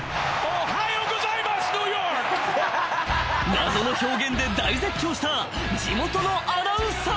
［謎の表現で大絶叫した地元のアナウンサー］